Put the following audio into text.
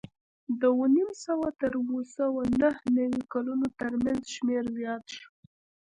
د اوه نیم سوه تر اوه سوه نهه نوې کلونو ترمنځ شمېر زیات شو